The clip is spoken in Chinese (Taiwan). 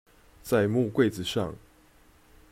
在木櫃子上